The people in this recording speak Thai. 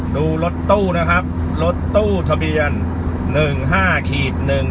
รถตู้นะครับรถตู้ทะเบียนหนึ่งห้าขีดหนึ่ง